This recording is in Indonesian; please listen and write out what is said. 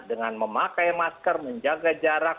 dengan memakai masker menjaga jarak